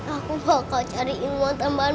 aku bakal cariin uang tambahan